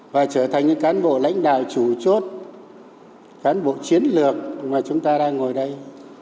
và trở thành những cán bộ lãnh đạo chủ chốt cán bộ chiến lược mà chúng ta đang ngồi đây